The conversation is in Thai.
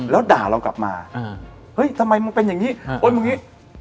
แล้วด่าเรากลับมาเฮ้ยทำไมมึงเป็นอย่างนี้โอ๊ยมึงอย่างนี้